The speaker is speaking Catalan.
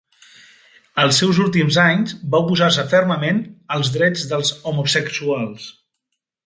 Els seus últims anys, va oposar-se fermament als drets dels homosexuals.